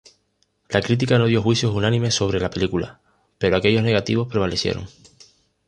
La crítica no dio juicios unánimes sobre la película, pero aquellos negativos prevalecieron.